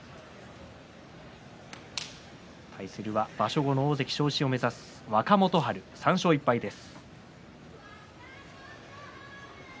対するは、場所後の大関昇進を目指す若元春。、ここまで３勝１敗です。